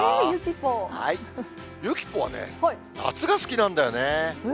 ゆきポはね、夏が好きなんだよね。